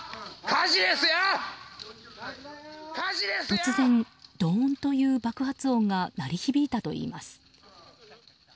突然、ドーンという爆発音が鳴り響いたといいます。